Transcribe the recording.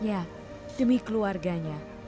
ya demi keluarganya